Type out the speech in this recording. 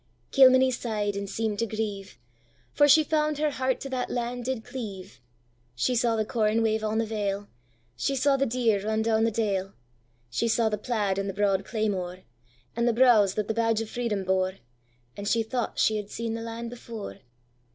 Kilmeny sigh'd and seem'd to grieve, For she found her heart to that land did cleave; She saw the corn wave on the vale, She saw the deer run down the dale, She saw the plaid and the broad claymore, And the brows that the badge of freedom bore; And she thought she had seen the land before.